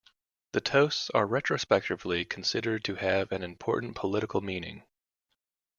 The toasts are retrospectively considered to have an important political meaning.